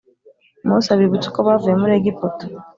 Mose abibutsa uko bavuye muri Egiputa